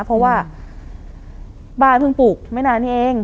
เพราะว่าบ้านเพิ่งปลูกไม่นานนี้เอง